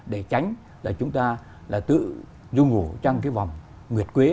để tránh là chúng ta là tự du ngủ trong cái vòng nguyệt quế